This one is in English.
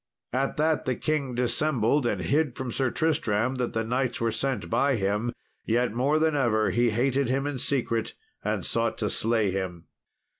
At that the king dissembled and hid from Sir Tristram that the knights were sent by him; yet more than ever he hated him in secret, and sought to slay him.